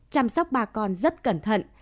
chăm sóc ba con rất cẩn thận